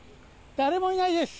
誰もいないです。